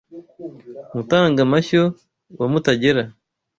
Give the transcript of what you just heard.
Mutanga mashyo wa Mutagera